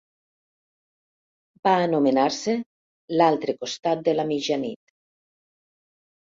Va anomenar-se "L'altre costat de la mitjanit".